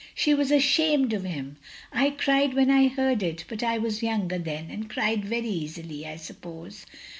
She was ashamed of him! I cried when I heard it, but I was younger then and cried very easily, I suppose.